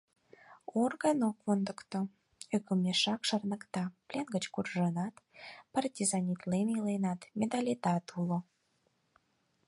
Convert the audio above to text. Орган ок мондыкто, ӧкымешак шарныкта: плен гыч куржынат, партизанитлен иленат, медалетат уло.